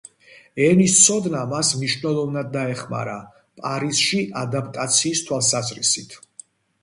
ენის ცოდნა მას მნიშვნელოვნად დაეხმარა პარიზში ადაპტაციის თვალსაზრისით.